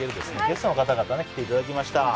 ゲストの方々に来ていただきました。